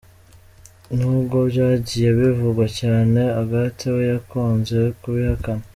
Nubwo byagiye bivugwa cyane, Agathe we yakunze kubihakana.